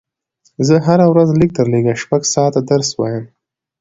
زه هره ورځ لږ تر لږه شپږ ساعته درس وایم